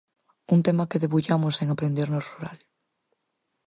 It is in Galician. Un tema que debullamos en 'Aprender no rural'.